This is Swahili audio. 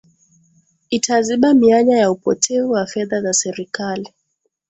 Itaziba mianya ya upotevu wa fedha za Serikali